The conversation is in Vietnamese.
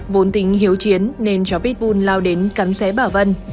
vốn tính hiếu chiến nên chó pitbull lao đến cắn xé bà vân